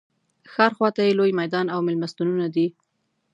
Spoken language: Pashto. ښار خواته یې لوی میدان او مېلمستونونه دي.